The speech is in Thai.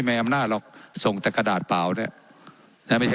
เจ้าหน้าที่ของรัฐมันก็เป็นผู้ใต้มิชชาท่านนมตรี